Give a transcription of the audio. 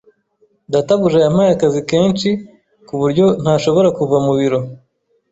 Databuja yampaye akazi kenshi ku buryo ntashobora kuva mu biro.